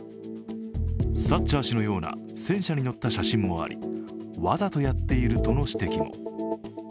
サッチャー氏のような戦車に乗った写真もあり、わざとやっているとの指摘も。